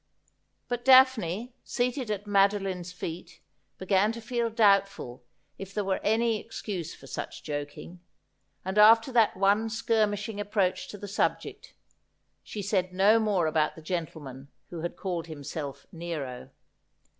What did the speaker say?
But Daphne, seated at Madeline's feet, began to feel doubtful if there were any excuse for such joking ; and, after that one skirmishing approach to the subject, she said no more about the gentleman whe had called himself Nero.